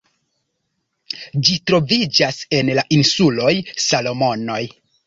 Ĝi troviĝas en la insuloj Salomonoj.